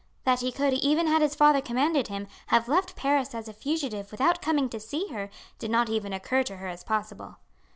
That he could, even had his father commanded him, have left Paris as a fugitive without coming to see her, did not even occur to her as possible.